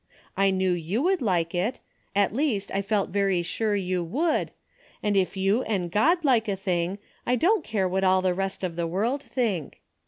I knew you would like it, at least I felt very sure you would, and if you and God like a thing I don't care what all the rest of the world think.